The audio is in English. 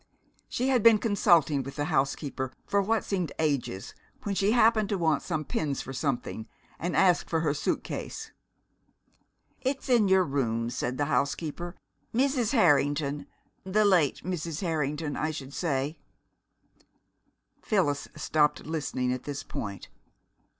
She had been consulting with the housekeeper for what seemed ages, when she happened to want some pins for something, and asked for her suit case. "It's in your rooms," said the housekeeper. "Mrs. Harrington the late Mrs. Harrington, I should say " Phyllis stopped listening at this point.